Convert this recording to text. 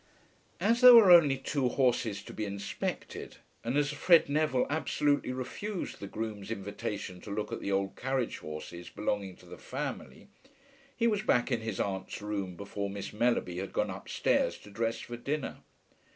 As there were only two horses to be inspected, and as Fred Neville absolutely refused the groom's invitation to look at the old carriage horses belonging to the family, he was back in his aunt's room before Miss Mellerby had gone upstairs to dress for dinner.